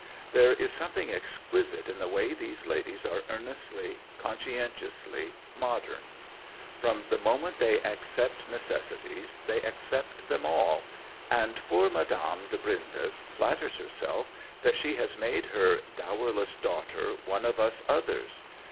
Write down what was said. There is some thing exquisite in the way these ladies are earnestly, conscientiously modern. From the moment they accept necessities they accept them all, and poor Madame de Brindes flatters herself that she has made her dowerless daughter one of us others.